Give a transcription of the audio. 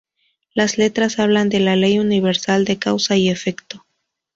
Las letras hablan de la ley universal de causa y efecto".